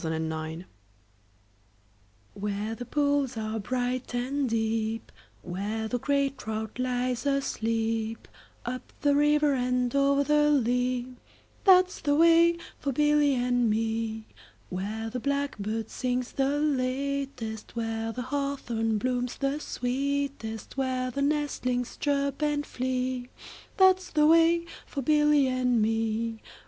A Boy's Song WHERE the pools are bright and deep, Where the grey trout lies asleep, Up the river and over the lea, That 's the way for Billy and me. Where the blackbird sings the latest, 5 Where the hawthorn blooms the sweetest, Where the nestlings chirp and flee, That 's the way for Billy and me.